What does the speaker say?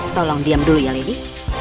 tolong diam dulu ya lady